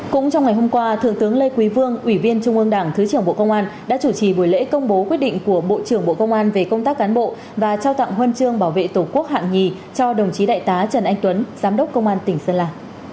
cũng trong ngày hôm qua thượng tướng lê quý vương ủy viên trung ương đảng thứ trưởng bộ công an đã chủ trì buổi lễ công bố quyết định của bộ trưởng bộ công an về công tác cán bộ và trao tặng huân chương bảo vệ tổ quốc hạng nhì cho đồng chí đại tá trần anh tuấn giám đốc công an tỉnh sơn la